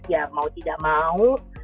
ya mau tidak mau